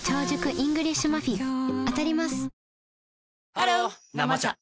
ハロー「生茶」